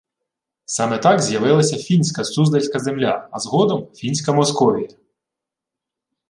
Саме так з'явилася фінська суздальська земля, а згодом – фінська Московія